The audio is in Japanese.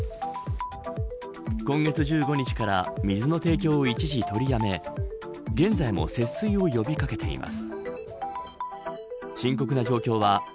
今月１５日から水の提供を一時取りやめ現在も節水を呼び掛けています。